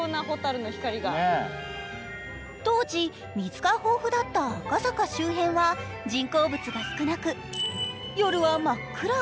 当時、水が豊富だった赤坂周辺は人工物が少なく夜は真っ暗。